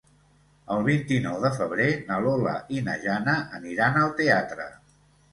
El vint-i-nou de febrer na Lola i na Jana aniran al teatre.